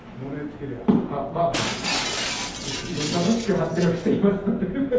正しく判定はしていますので。